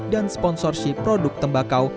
dan sponsorship produk tembakau